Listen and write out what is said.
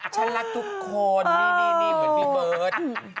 ฉันรักทุกคนนี่เหมือนพี่เบิร์ต